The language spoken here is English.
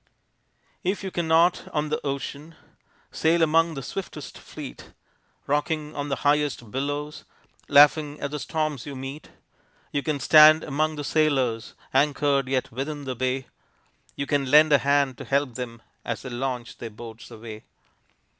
If you cannot on the ocean Sail among the swiftest fleet, Rocking on the highest billows, Laughing at the storms you meet; You can stand among the sailors, Anchored yet within the bay, You can lend a hand to help them As they launch their boats away.